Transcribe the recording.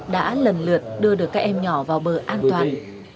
đã lần lượt đưa được các em nhỏ vào bờ an toàn